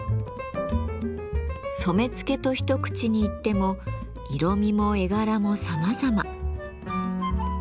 染付と一口に言っても色みも絵柄もさまざま。